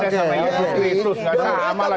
gak sama lah